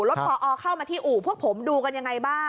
พอเข้ามาที่อู่พวกผมดูกันยังไงบ้าง